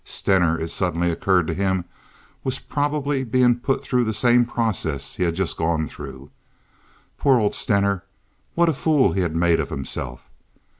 Stener, it suddenly occurred to him, was probably being put through the same process he had just gone through. Poor old Stener! What a fool he had made of himself.